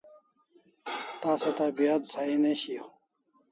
Tasa tabiat sahi ne shiau